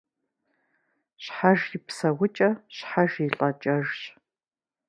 Щхьэж и псэукӏэ щхьэж и лӏэкӏэжщ.